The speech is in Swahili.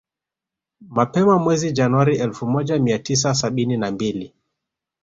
Mapema mwezi Januari elfu moja mia tisa sabini na mbili